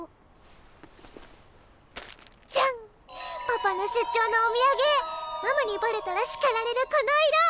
パパの出張のお土産ママにバレたら叱られるこの色！